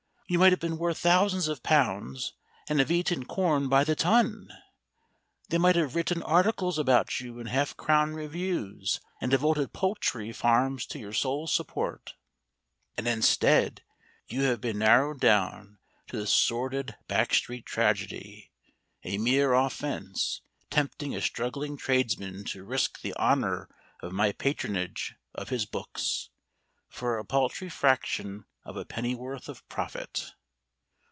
You might have been worth thousands of pounds and have eaten corn by the ton. They might have written articles about you in half crown reviews and devoted poultry farms to your sole support. And instead you have been narrowed down to this sordid back street tragedy, a mere offence, tempting a struggling tradesman to risk the honour of my patronage of his books, for a paltry fraction of a pennyworth of profit.